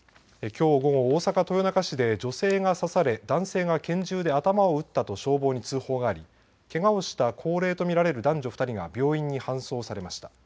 きょう午後、大阪豊中市で女性が刺され男性が拳銃で頭を撃ったと消防に通報がありけがをした高齢と見られる男女２人が病院に搬送されました。